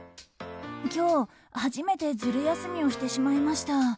今日、初めてズル休みをしてしまいました。